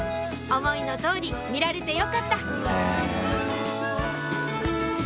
思いの通り見られてよかった